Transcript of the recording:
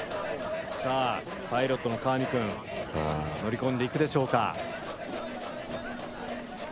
さあパイロットの川見くん乗り込んでいくでしょうか。